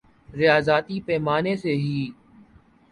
ریاضیاتی پیمانے سے ہی